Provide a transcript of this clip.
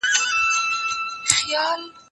زه هره ورځ د کتابتوننۍ سره مرسته کوم!؟